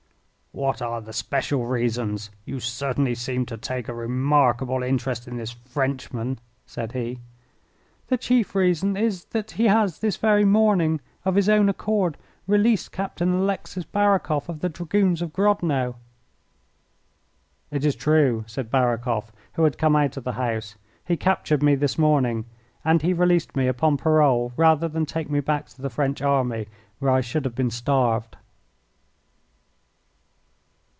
"What are the special reasons? You certainly seem to take a remarkable interest in this Frenchman," said he. "The chief reason is that he has this very morning of his own accord released Captain Alexis Barakoff, of the Dragoons of Grodno." "It is true," said Barakoff, who had come out of the house. "He captured me this morning, and he released me upon parole rather than take me back to the French army, where I should have been starved."